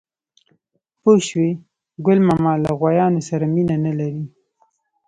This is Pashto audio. _پوه شوې؟ ګل ماما له غوايانو سره مينه نه لري.